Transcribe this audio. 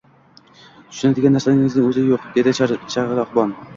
— Tushunadigan narsaning o‘zi yo‘q, — dedi charog‘bon.